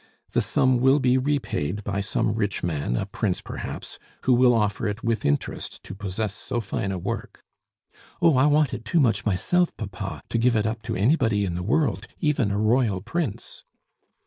"The sum will be repaid by some rich man, a prince perhaps, who will offer it with interest to possess so fine a work." "Oh, I want it too much myself, papa, to give it up to anybody in the world, even a royal prince!"